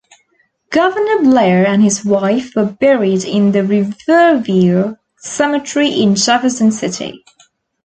Governor Blair and his wife were buried in the Riverview Cemetery in Jefferson City.